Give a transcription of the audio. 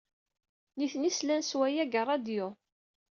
Nitni slan s waya deg ṛṛadyu.